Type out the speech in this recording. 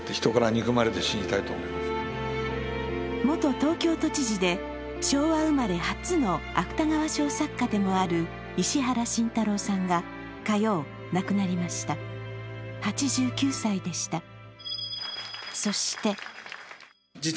元東京都知事で、昭和生まれ初の芥川賞作家でもある石原慎太郎さんが火曜、亡くなりました、８９歳でした。